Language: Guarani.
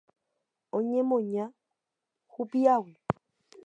Oñemoña hupi'águi.